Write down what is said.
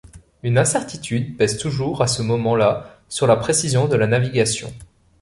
Une incertitude pèse toujours à ce moment-là sur la précision de la navigation.